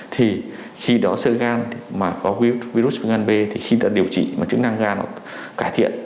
thì khi đó sơ gan mà có virus gan b thì khi đã điều trị mà chức năng gan nó cải thiện